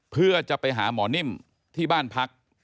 เพื่อจะไปหาหมอนิ่มที่บ้านพัก